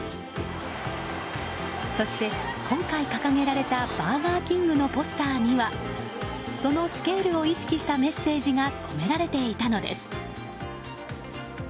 そして、今回掲げられたバーガーキングのポスターにはそのスケールを意識したメッセージが込められていたのです。